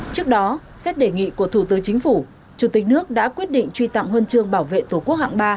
trước đó xét đề nghị của thủ tướng chính phủ chủ tịch nước đã quyết định truy tặng huân chương bảo vệ tổ quốc hạng ba